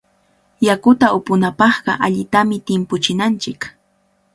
Yakuta upunapaqqa allitami timpuchinanchik.